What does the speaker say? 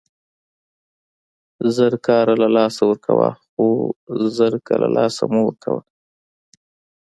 زر کاره له لاسه ورکوه، خو زرکه له له لاسه مه ورکوه!